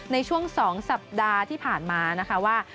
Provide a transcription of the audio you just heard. ในช่วง๒สัปดาห์ที่ผ่านมานะคะว่า